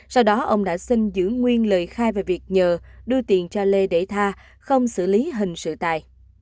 sau đó ông đã xin giữ nguyên lời khai về việc nhờ đưa tiền cho lê để tha không xử lý hình sự tài